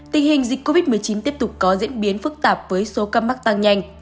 tình hình dịch covid một mươi chín tiếp tục có diễn biến phức tạp với số ca mắc tăng nhanh